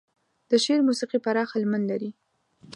د شعر موسيقي پراخه لمن لري.